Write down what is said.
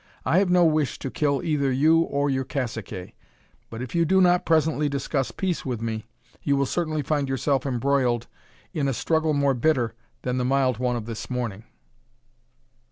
I have no wish to kill either you or your caciques, but if you do not presently discuss peace with me, you will certainly find yourself embroiled in a struggle more bitter than the mild one of this morning."